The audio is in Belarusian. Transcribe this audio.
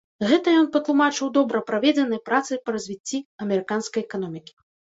Гэта ён патлумачыў добра праведзенай працай па развіцці амерыканскай эканомікі.